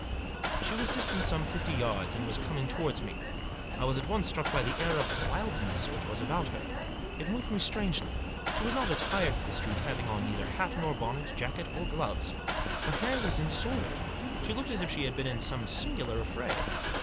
She was distant some fifty yards, and was coming towards me. I was at once struck by the air of wild ness which was about her. It moved me strangely. She was not attired for the street, having on neither hat nor bonnet, jacket or gloves. Her hair was in disorder. She looked as if she had been in some singular affray.